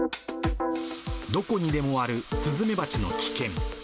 どこにでもあるスズメバチの危険。